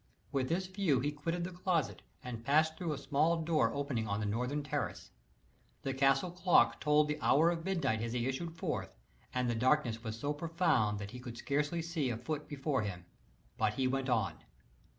With this view he quitted the closet, and passed through a small door opening on the northern terrace. The castle clock tolled the hour of midnight as he issued forth, and the darkness was so profound that he could scarcely see a foot before him. But he went on.